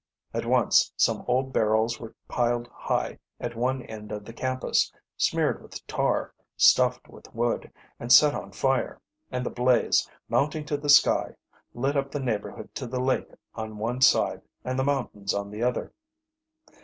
At once some old barrels were piled high at one end of the campus, smeared with tar, stuffed with wood, and set on fire, and the blaze, mounting to the sky, lit up the neighborhood to the lake on one side and the mountains on the other.